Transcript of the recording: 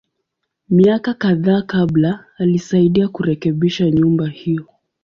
Miaka kadhaa kabla, alisaidia kurekebisha nyumba hiyo.